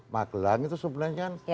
magelang itu sebenarnya